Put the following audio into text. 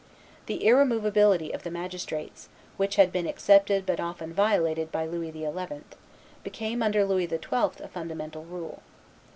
The irremovability of the magistrates, which had been accepted but often violated by Louis XI., became under Louis XII. a fundamental rule.